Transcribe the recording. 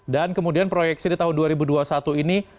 dan kemudian proyeksi di tahun dua ribu dua puluh satu ini